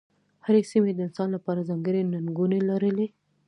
هرې سیمې د انسان لپاره ځانګړې ننګونې لرلې.